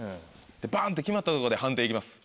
バン！って決まったところで判定行きます。